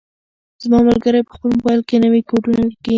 زما ملګری په خپل موبایل کې نوي کوډونه لیکي.